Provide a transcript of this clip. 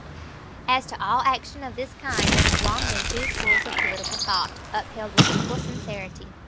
As to all action of this kind there have long been two schools of political thought, upheld with equal sincerity.